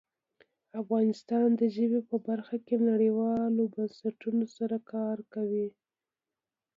افغانستان د ژبې په برخه کې نړیوالو بنسټونو سره کار کوي.